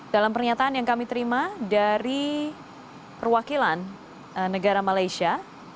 dalam pernyataan yang kami terima dari perwakilan negara malaysia